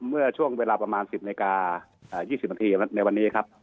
เมื่อช่วงเวลาประมาณ๑๐นาฬิกา๒๐นาทีในวันนี้ครับ